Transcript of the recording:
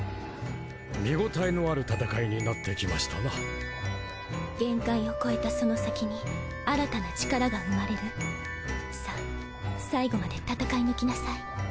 見ごたえのある戦いになってきましたな限界を超えたその先に新たな力が生まれるさぁ最後まで戦い抜きなさい